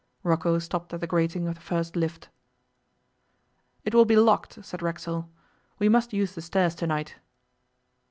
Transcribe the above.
Rocco stopped at the grating of the first lift. 'It will be locked,' said Racksole. 'We must use the stairs to night.